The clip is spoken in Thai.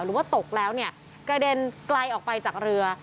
หรือว่าตกแล้วเนี่ยกระเด็นไกลออกไปจากเรือ